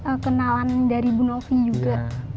iya sama kenalan dari bu novi juga